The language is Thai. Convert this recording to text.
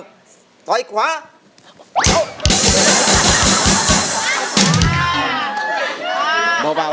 เพื่อจะไปชิงรางวัลเงินล้าน